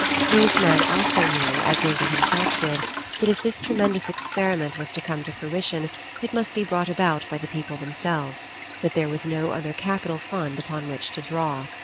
These men also knew, as Lincoln himself did, that if this tremendous experiment was to come to fruition, it must be brought about by the people themselves; that there was no other capital fund upon which to draw.